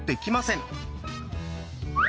ん？